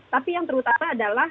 tapi yang terutama adalah